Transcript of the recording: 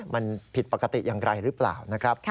มันผิดปกติอย่างไรหรือเปล่านะครับ